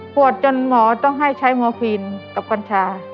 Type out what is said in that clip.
จนหมอต้องให้ใช้มอร์ฟีนกับกัญชา